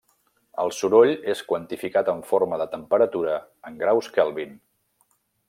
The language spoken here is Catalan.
El soroll és quantificat en forma de temperatura en graus Kelvin.